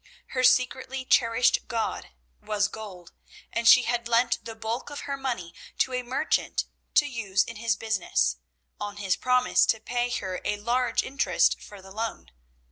Her secretly cherished god was gold, and she had lent the bulk of her money to a merchant to use in his business, on his promise to pay her a large interest for the loan.